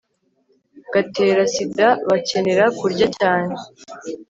gatera sida bakenera kurya cyane